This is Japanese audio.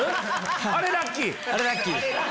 あれラッキー？